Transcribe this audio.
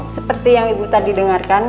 seperti yang ibu tadi dengarkan